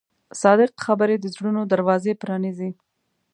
صادق خبرې د زړونو دروازې پرانیزي.